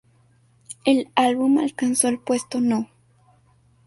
El álbum alcanzó el puesto no.